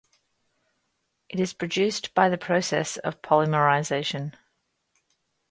It is produced by the process of polymerisation.